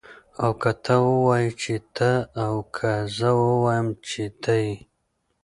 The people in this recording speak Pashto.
او که ته ووايي چې ته او که زه ووایم چه ته يې